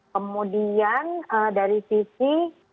kemudian dari sisi